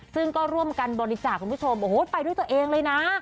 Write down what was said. ซึ่งก็ร่วมกันบริจาคคุณผู้ชมโอ้โหไปด้วยตัวเองเลยนะ